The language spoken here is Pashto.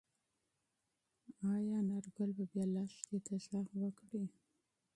ايا انارګل به بیا لښتې ته غږ وکړي؟